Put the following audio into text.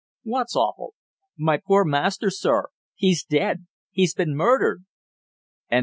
"What's awful?" "My poor master, sir. He's dead he's been murdered!"